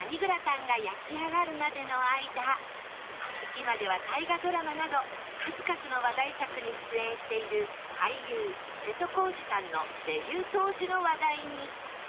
今では大河ドラマなど数々の話題作に出演している俳優瀬戸康史さんのデビュー当時の話題に